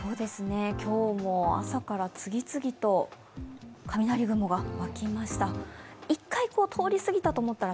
今日も朝から次々と雷雲が湧きました。